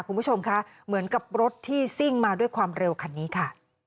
คุณผู้ชมคะเหมือนกับรถที่ซิ่งมาด้วยความเร็วคันนี้ค่ะ